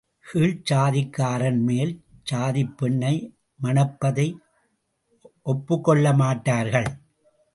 கீழ்ச்சாதிக்காரன் மேல் சாதிப் பெண்ணை மணப்பதை ஒப்புக் கொள்ளமாட்டார்கள்.